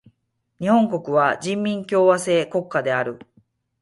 日本国は人民共和制国家である。